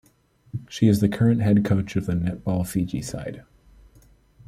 She is the current head coach of the Netball Fiji side.